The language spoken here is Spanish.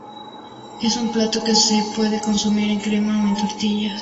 Es un plato que se puede consumir en crema o en tortitas.